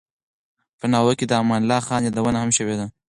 په ناول کې د امان الله خان یادونه هم شوې ده.